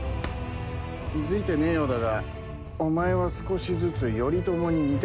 気付いてねえようだがお前は少しずつ頼朝に似てきているぜ。